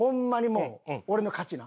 もう俺の勝ちな。